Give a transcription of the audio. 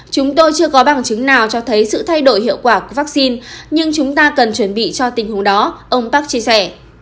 chúng tôi chưa có bằng chứng nào cho thấy sự thay đổi hiệu quả của vaccine nhưng chúng ta cần chuẩn bị cho tình huống đó ông park chia sẻ